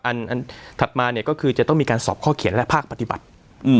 อันถัดมาเนี่ยก็คือจะต้องมีการสอบข้อเขียนและภาคปฏิบัติ